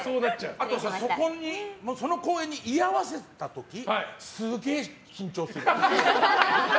あと、その公園に居合わせた時すげえ緊張する。